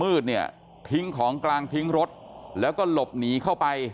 มืดเนี่ยทิ้งของกลางทิ้งรถแล้วก็หลบหนีเข้าไป